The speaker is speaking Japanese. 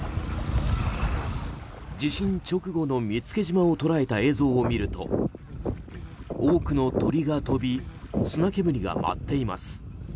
地震直後の見附島を捉えた映像を見ると多くの鳥が飛び砂煙が待っています。